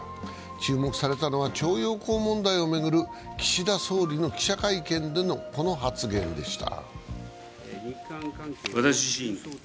注目されたのは徴用工問題を巡る岸田総理の記者会見でのこの発言でした。